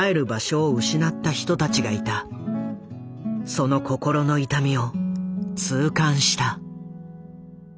その心の痛みを痛感した。